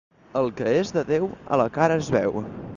El que és de Déu, a la cara es veu.